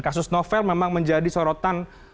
kasus novel memang menjadi sorotan